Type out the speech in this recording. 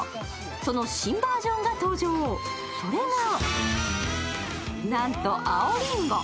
その新バージョンが登場、それがなんと青りんご。